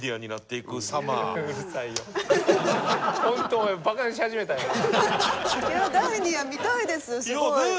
いや第２話見たいですすごい。